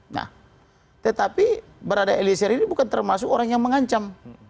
nah tetapi berada elie syahr ini bukan termasuk orang yang mengancam